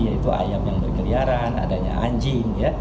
yaitu ayam yang berkeliaran adanya anjing